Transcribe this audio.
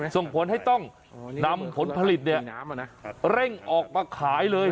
ส่งผลให้ต้องนำผลผลิตเร่งออกมาขายเลย